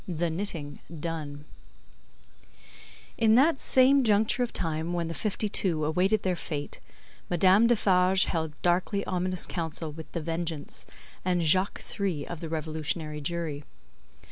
The Knitting Done In that same juncture of time when the Fifty Two awaited their fate Madame Defarge held darkly ominous council with The Vengeance and Jacques Three of the Revolutionary Jury.